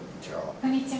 こんにちは。